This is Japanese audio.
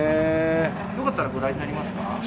よかったらご覧になりますか？